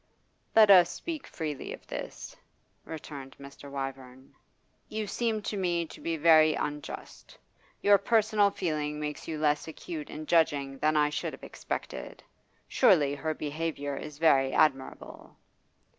'Let us speak freely of this,' returned Mr. Wyvern. 'You seem to me to be very unjust. Your personal feeling makes you less acute in judging than I should have expected. Surely her behaviour is very admirable.